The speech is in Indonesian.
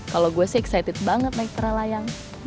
kalau gue sih excited banget naik para layang